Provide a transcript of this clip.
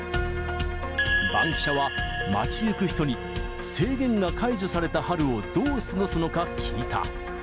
バンキシャは、街ゆく人に、制限が解除された春をどう過ごすのか聞いた。